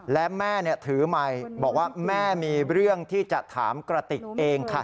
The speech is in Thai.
และแม่ถือไมค์บอกว่าแม่มีเรื่องที่จะถามกระติกเองค่ะ